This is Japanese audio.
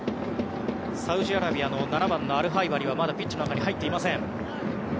サウジアラビアの７番アルハイバリはまだピッチに入っていません。